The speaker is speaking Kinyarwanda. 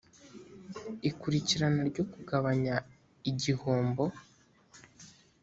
ikurikirana ryo kugabanya i gihombo